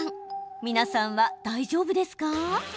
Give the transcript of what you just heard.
皆さんは、大丈夫ですか？